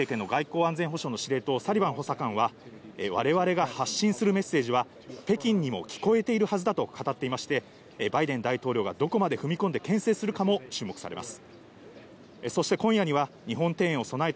バイデン政権の外交安全保障の司令塔・サリバン補佐官は我々が発信するメッセージが北京にも聞こえてるはずだと語っていまして、バイデン大統領がどこまで踏み込んで牽制するかも注目されます。